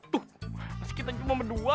tuh kita cuma berdua